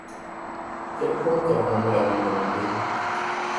Quel compte avons-nous à lui demander?